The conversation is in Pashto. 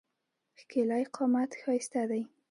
ښکېلی قامت ښایسته دی.